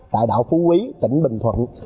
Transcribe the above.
tại đảo phú quý tỉnh bình thuận